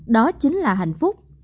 đó chính là hạnh phúc